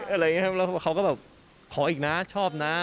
อะไรอย่างนี้แล้วเขาก็แบบขออีกนะชอบนะ